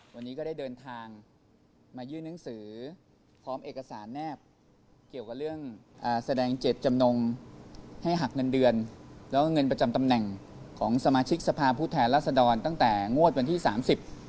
วันนี้ก็ได้เดินทางมายื่นหนังสือพร้อมเอกสารแนบเกี่ยวกับเรื่องอ่าแสดงเจ็ดจำนงให้หักเงินเดือนแล้วก็เงินประจำตำแหน่งของสมาชิกสภาพผู้แทนรัศดรตั้งแต่งวดวันที่สามสิบ